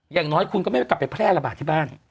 อย่างน้อยคุณก็ไม่กลับไปแพร่ระบาดที่บ้าน